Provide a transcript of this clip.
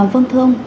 vâng thưa ông